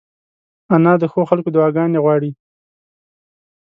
انا د ښو خلکو دعاګانې غواړي